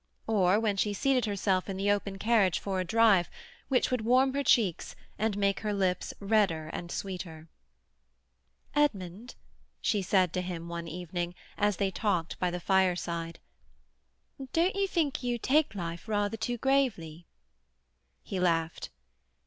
Or when she seated herself in the open carriage for a drive which would warm her cheeks and make her lips redder and sweeter. "Edmund," she said to him one evening, as they talked by the fireside, "don't you think you take life rather too gravely?" He laughed.